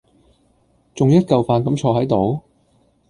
仲一嚿飯咁坐喺度？